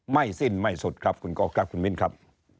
ไม่สิ้นไม่สุดครับคุณก๊อฟครับคุณมิ้นครับ